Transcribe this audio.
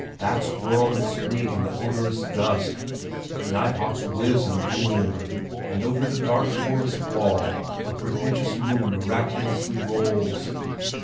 Bats whirl and squeak in the odorous dusk. Night hawks whiz and boom, and over the dark forest wall a prodigious moon miraculously rolls.